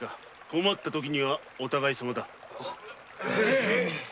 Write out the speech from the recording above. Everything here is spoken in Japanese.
困った時は「お互いさま」だ。